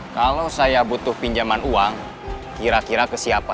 kalau saya butuh pinjaman uang kira kira ke siapa